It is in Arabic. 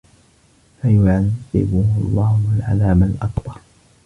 فَيُعَذِّبُهُ اللَّهُ العَذابَ الأَكبَرَ